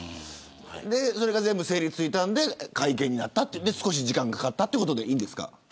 それが整理がついたので会見になった少し時間がかかったということでいいですか。